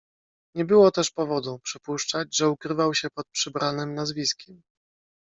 "Nie było też powodu przypuszczać, że ukrywał się pod przybranem nazwiskiem."